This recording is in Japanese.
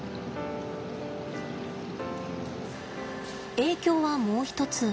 影響はもう一つ。